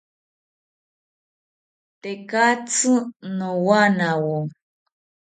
Tekatzi nowanawo